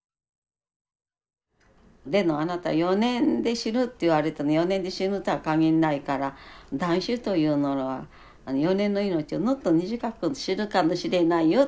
「でもあなた４年で死ぬって言われても４年で死ぬとは限んないから断種というものは４年の命をもっと短くするかもしれないよ」